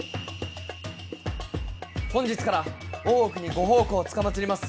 本日から大奥にご奉公つかまつります